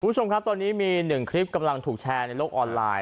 คุณผู้ชมครับตอนนี้มีหนึ่งคลิปกำลังถูกแชร์ในโลกออนไลน์